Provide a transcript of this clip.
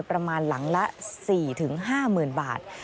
ประมาณละ๔๕๐๐๐๐บาท